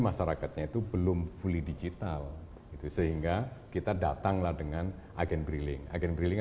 masyarakatnya itu belum fully digital itu sehingga kita datanglah dengan agen briling agen brilling